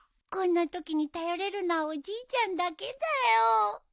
こんなときに頼れるのはおじいちゃんだけだよ。